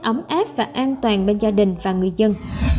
ấm áp và an toàn bên gia đình và người dân